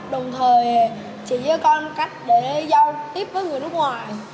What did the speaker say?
đồng thời chỉ giới con cách để giao tiếp với người nước ngoài